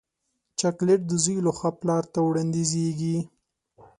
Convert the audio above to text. چاکلېټ د زوی له خوا پلار ته وړاندیزېږي.